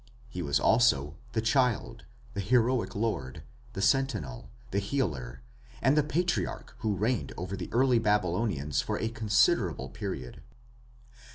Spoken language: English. He was also "the child", "the heroic lord", "the sentinel", "the healer", and the patriarch who reigned over the early Babylonians for a considerable period.